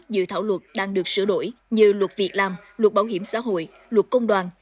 dự thảo luật đang được sửa đổi như luật việc làm luật bảo hiểm xã hội luật công đoàn